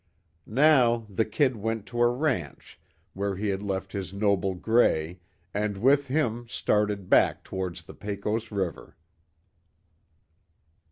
Now the "Kid" went to a ranch, where he had left his noble "Gray," and with him started back towards the Pecos river.